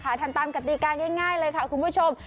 ทำตามกติกาง่ายเลยค่ะคุณผู้ชม